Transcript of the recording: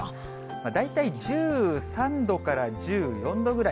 大体１３度から１４度ぐらい。